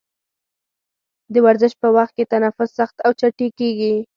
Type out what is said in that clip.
د ورزش په وخت کې تنفس سخت او چټکېږي.